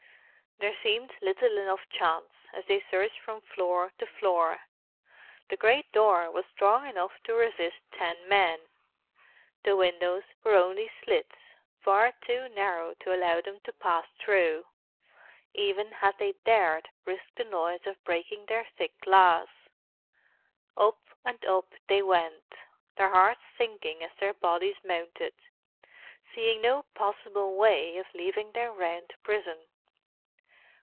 There seemed little enough chance, as they searched from floor to floor. The great door was strong enough to resist ten men; the windows were only slits, far too narrow to allow them to pass through, even had they dared risk the noise of breaking their thick glass. Up and up they went, their hearts sinking as their bodies mounted; seeing no possible way of leaving their round prison.